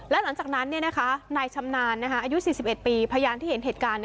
และหลังจากนั้นนายชำนาญอายุ๔๑ปีพยานที่เห็นเหตุการณ์